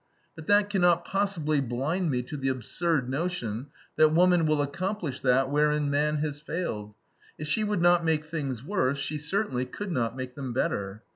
But that can not possibly blind me to the absurd notion that woman will accomplish that wherein man has failed. If she would not make things worse, she certainly could not make them better.